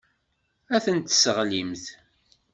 Ad ten-tesseɣlimt.